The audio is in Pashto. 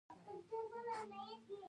خنډ ګڼل کیږي.